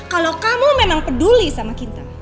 kalau kamu memang peduli sama kita